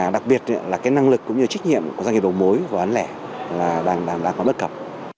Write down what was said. năng lực cũng như trách nhiệm của doanh nghiệp đầu mối có vấn đề là đang có bất cập